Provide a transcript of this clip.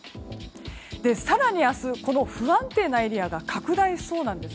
更に明日、この不安定なエリアが拡大しそうなんです。